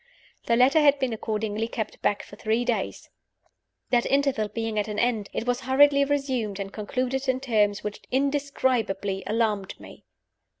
The letter had been accordingly kept back for three days. That interval being at an end, it was hurriedly resumed and concluded in terms which indescribably alarmed me.